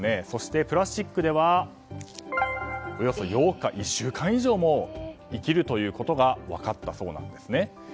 そして、プラスチックではおよそ８日１週間以上も生きることが分かったそうなんですね。